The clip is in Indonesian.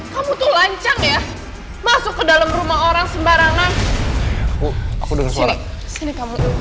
kamu tuh lancang ya masuk ke dalam rumah orang sembarangan aku dengan sini kamu tuh